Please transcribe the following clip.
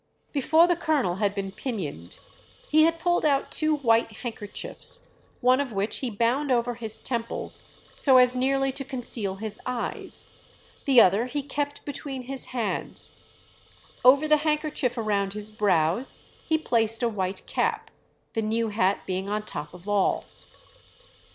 Before the colonel had been pinioned he had pulled out two white handkerchiefs, one of which he bound over his temples so as nearly to conceal his eyes, the other he kept between his hands. Over the handkerchief around his brows he placed a white cap, the new hat being on top of all.